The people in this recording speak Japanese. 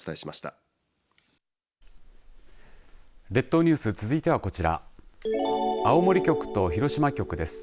列島ニュース続いてはこちら青森局と広島局です。